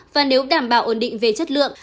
và nếu đảm bảo ổn định về chất lượng